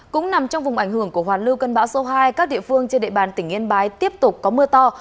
cũng nằm trong vùng ảnh hưởng của hoàn lưu cơn bão số hai các địa phương trên địa bàn tỉnh yên bái tiếp tục có mưa to